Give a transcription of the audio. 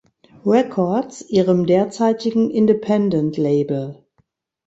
Records, ihrem derzeitigen Independent-Label.